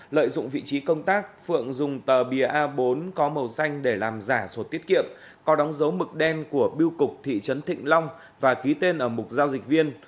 lợi dụng vị trí công tác phượng dùng tờ bìa a bốn có màu xanh để làm giả sổ tiết kiệm có đóng dấu mực đen của biêu cục thị trấn thịnh long và ký tên ở mục giao dịch viên